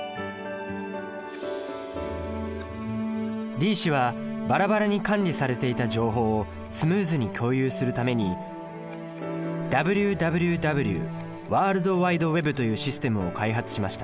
リー氏はばらばらに管理されていた情報をスムーズに共有するためにＷＷＷというシステムを開発しました。